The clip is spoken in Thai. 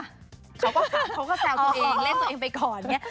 เขาก็แซวตัวเองเล่นตัวเองไปก่อน